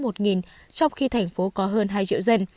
trong khi thành phố có hơn hai triệu dân